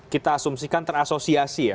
kita asumsikan terasosiasi ya